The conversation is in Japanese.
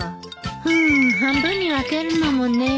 ふん半分に分けるのもね